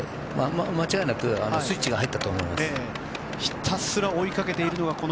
間違いなくスイッチが入っています。